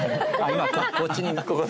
今こっちに。